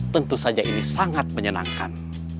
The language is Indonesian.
tentu saja ini sangat menyenangkan